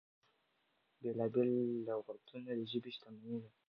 بېلا بېل لغتونه د ژبې شتمني ده.